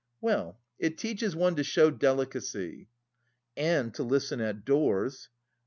Well, it teaches one to show delicacy!" "And to listen at doors!"